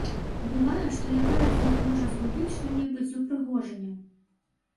Бывае, што якая з іх можа згубіць што-небудзь з упрыгожанняў.